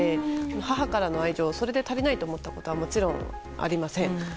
母からの愛情をそれで足りないと思ったことはもちろんありません。